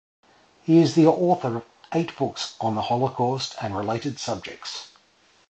He is the author of eight books on the Holocaust and related subjects.